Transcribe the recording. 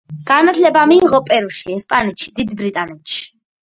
განათლება მიიღო პერუში, ესპანეთში, დიდ ბრიტანეთში.